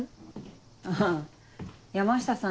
あぁ山下さん